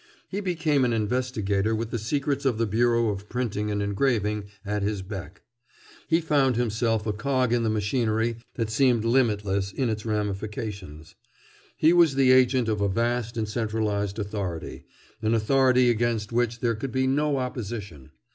He became an investigator with the secrets of the Bureau of Printing and Engraving at his beck. He found himself a cog in a machinery that seemed limitless in its ramifications. He was the agent of a vast and centralized authority, an authority against which there could be no opposition.